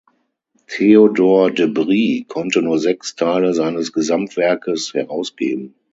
Theodor de Bry konnte nur sechs Teile seines Gesamtwerkes herausgeben.